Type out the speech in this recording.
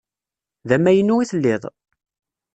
D amaynu i telliḍ?